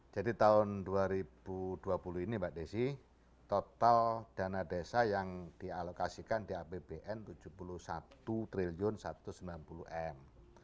jadi tahun dua ribu dua puluh ini mbak desi total dana desa yang dialokasikan di apbn tujuh puluh satu triliun satu ratus sembilan puluh m